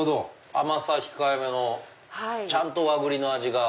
甘さ控えめのちゃんと和栗の味が。